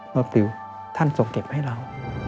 ปิวท่านส่งเก็บให้เรา